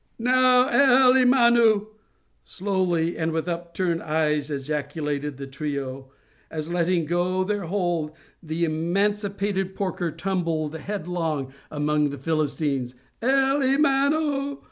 "Now El Emanu!" slowly and with upturned eyes ejaculated the trio, as, letting go their hold, the emancipated porker tumbled headlong among the Philistines, "El Emanu!